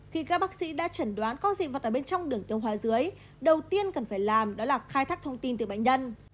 khi các bác sĩ đã chẩn đoán con dị vật ở bên trong đường tiêu hóa dưới đầu tiên cần phải làm đó là khai thác thông tin từ bệnh nhân